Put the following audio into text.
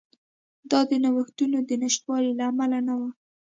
دا د نوښتونو د نشتوالي له امله نه وه.